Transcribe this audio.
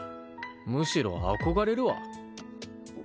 むしろ憧れるわ。